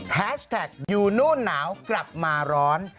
แฮชแท็กอยู่นู่นหนาวกลับมาร้อน